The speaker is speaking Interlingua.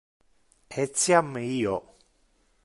Etiam io.